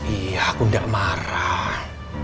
iya aku gak marah